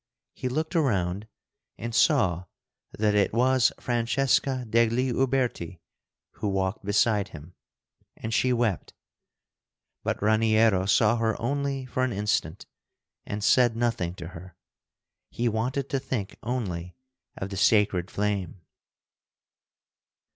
He looked around and saw that it was Francesca degli Uberti, who walked beside him; and she wept. But Raniero saw her only for an instant, and said nothing to her. He wanted to think only of the sacred flame.